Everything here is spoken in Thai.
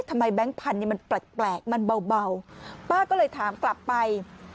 แบงค์พันธุ์มันแปลกมันเบาป้าก็เลยถามกลับไป